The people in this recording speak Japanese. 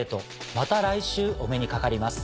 また来週お目にかかります。